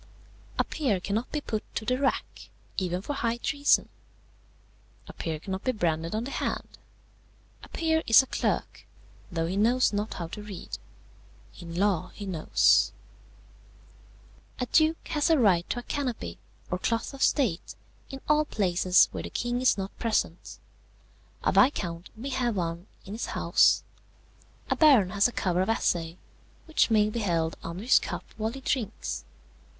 "A peer cannot be put to the rack, even for high treason. A peer cannot be branded on the hand. A peer is a clerk, though he knows not how to read. In law he knows. "A duke has a right to a canopy, or cloth of state, in all places where the king is not present; a viscount may have one in his house; a baron has a cover of assay, which may be held under his cup while he drinks.